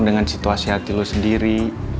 dengan situasi hati lu sendiri